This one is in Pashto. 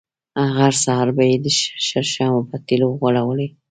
هغه هر سهار به یې د شرشمو په تېلو غوړولې.